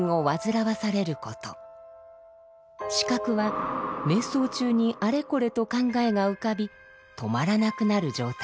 「思覚」は瞑想中にあれこれと考えが浮かび止まらなくなる状態。